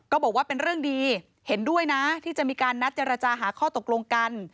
บอกว่าเป็นเรื่องดีเห็นด้วยนะที่จะมีการนัดเจรจาหาข้อตกลงกัน